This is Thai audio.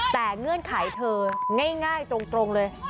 แต่เงื่อนไขเธอง่ายตรงเลย